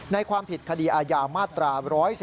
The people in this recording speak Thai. ความผิดคดีอาญามาตรา๑๑๒